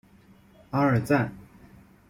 阿尔赞。